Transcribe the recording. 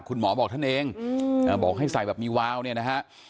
คุณหมอบอกท่านเองบอกให้ใส่แบบมีวาวเนี่ยนะฮะ